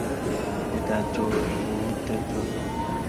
এটা জরুরি মুহুর্তের জন্য।